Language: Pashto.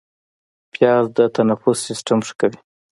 پیاز د تنفس سیستم ښه کوي